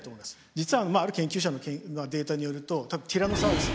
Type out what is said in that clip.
実はまあある研究者のデータによるとティラノサウルス。